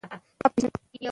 دا د افغانانو مېړانه وه.